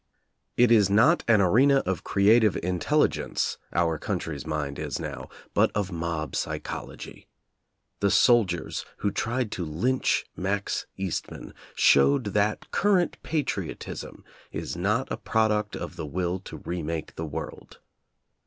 It is not an arena of creative intelligence our country's mind is now, but of mob psychology. \ The soldiers who tried to lynch Max Eastman showed that current patriotism is not a product of the will to remake the world.